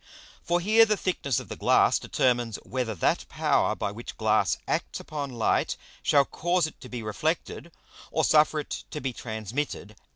For here the thickness of the Glass determines whether that Power by which Glass acts upon Light shall cause it to be reflected, or suffer it to be transmitted.